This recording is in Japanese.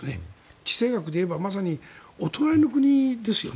地政学で言えばまさにお隣の国ですよね。